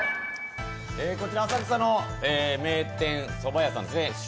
こちら、浅草の名店そば屋さんですね